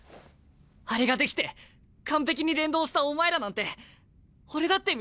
あれができて完璧に連動したお前らなんて俺だって見てえよ！